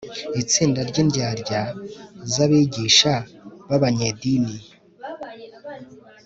itsinda ry'indyarya z'abigisha b'abanyedini